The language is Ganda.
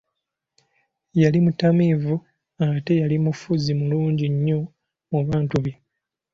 yali mutamiivu, ate yali mufuzi mulungi nnyo mu bantu be.